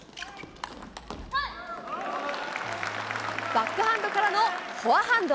バックハンドからのフォアハンド。